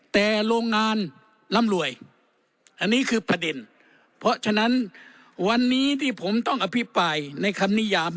แต่โรงงานร่ำรวยอันนี้คือประเด็นเพราะฉะนั้นวันนี้ที่ผมต้องอภิปรายในคำนิยาม